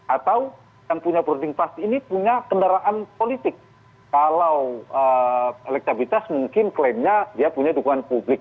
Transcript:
atau yang punya boarding pass ini punya kendaraan politik kalau elektabilitas mungkin klaimnya dia punya dukungan publik